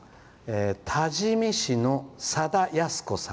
多治見市のさだやすこさん。